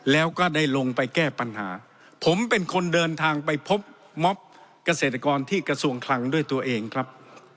แล้วก็ได้ลงไปแก้ปัญหาผมเป็นคนเดินทางไปพบม็อบเกษตรกรที่กระทรวงคลังด้วยตัวเองครับ